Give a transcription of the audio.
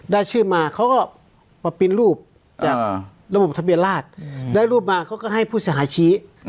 ได้ชื่อมาเขาก็มาปินรูปจากระบบทะเบียนราชได้รูปมาเขาก็ให้ผู้เสียหายชี้